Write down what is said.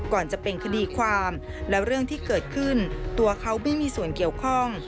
ก่อนจะเป็นคดีความและเรื่องที่เกิดขึ้นตัวเขาไม่มีส่วนเกี่ยวข้อง